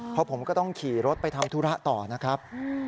เพราะผมก็ต้องขี่รถไปทำธุระต่อนะครับ